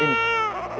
kamu pasti haus ya